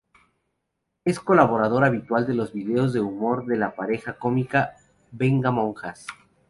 Es colaborador habitual de los vídeos de humor de la pareja cómica "Venga Monjas".